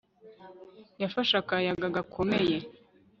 Yafashe akayaga gakomeye